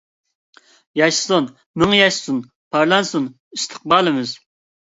ﻳﺎشاسۇن، ﻣﯩﯔ ياشاسۇن، ﭘﺎﺭﻻنسۇن ﺋﯩﺴﺘﯩﻘﺒﺎﻟﯩﻤﯩﺰ!